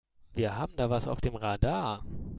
Wir haben da was auf dem Radar.